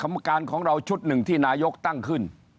กรรมการของเราชุดหนึ่งที่นายกตั้งขึ้น